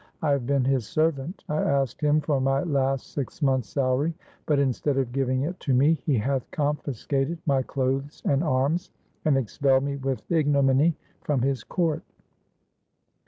I have been his servant. I asked him for my last six months' salary, but, instead of giving it to me, he hath con fiscated my clothes and arms, and expelled me with ignominy from his court.